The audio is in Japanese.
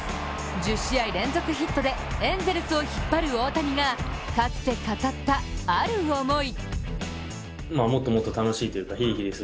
１０試合連続ヒットでエンゼルスを引っ張る大谷がかつて語った、ある思い。